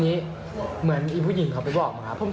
นักเรียงมัธยมจะกลับบ้าน